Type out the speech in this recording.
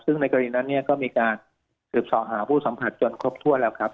ซึ่งในกรณีนั้นเนี่ยก็มีการสืบสอหาผู้สัมผัสจนครบถ้วนแล้วครับ